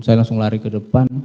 saya langsung lari ke depan